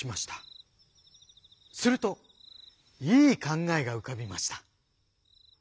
するといい考えが浮かびました。